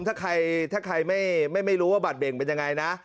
ถ้าใครไม่รู้ว่าบัตรเบ่งเป็นยังไงนะ